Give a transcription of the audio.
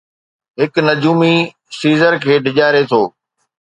هڪ نجومي سيزر کي ڊيڄاري ٿو.